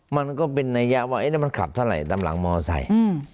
มันก็เป็นนัยยะว่าแล้วมันขับเท่าไหร่ตามหลังมอไซค์